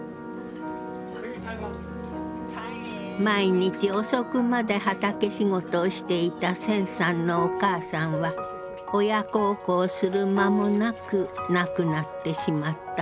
毎日遅くまで畑仕事をしていた銭さんのお母さんは親孝行する間もなく亡くなってしまったそう。